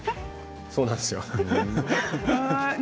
そうなんですよ。